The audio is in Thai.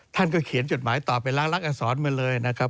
ท่านก็เขียนจดหมายต่อไปล้างลักษรมาเลยนะครับ